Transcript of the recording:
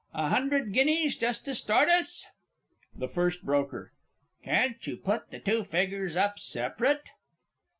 A hundred guineas, just to start us? THE F. B. Can't you put the two figgers up separate?